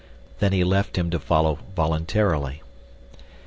Then he left him to follow voluntarily.